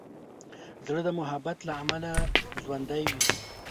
زړه د محبت له امله ژوندی وي.